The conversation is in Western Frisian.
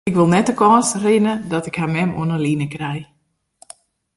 Ik wol net de kâns rinne dat ik har mem oan 'e line krij.